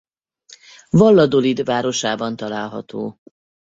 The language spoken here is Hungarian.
Valladolid városában található.